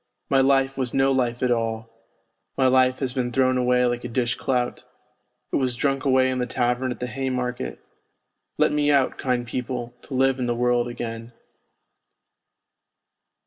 My life was no life at all ; my life has been thrown away like a dish clout; it was drunk away in the tavern at the Haymarket; let me out, kind people, to live in the world again.'